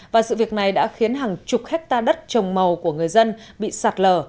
và sự việc này đã khiến hàng chục hectare đất trồng màu của người dân bị sạt lở